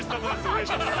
お願いします